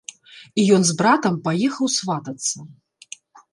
І ён з братам паехаў сватацца.